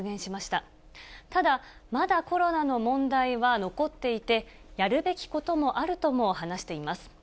ただ、まだコロナの問題は残っていて、やるべきこともあるとも話しています。